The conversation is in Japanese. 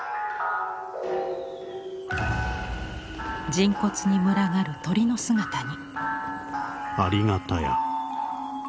人骨に群がる鳥の姿に。